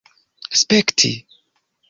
spekti